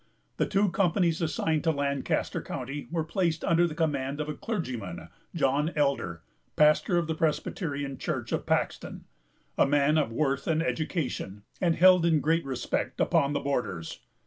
The two companies assigned to Lancaster County were placed under the command of a clergyman, John Elder, pastor of the Presbyterian Church of Paxton; a man of worth and education, and held in great respect upon the borders.